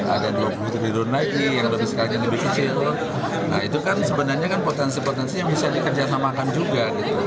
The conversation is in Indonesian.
ada dua puluh triliun lagi yang lebih kecil nah itu kan sebenarnya potensi potensi yang bisa dikerjasamakan juga